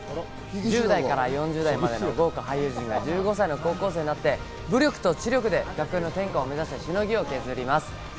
１０代から４０代までの豪華俳優陣が１５歳の高校生になって武力と知力で学園の天下を目指してしのぎを削ります。